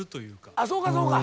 あそうかそうか。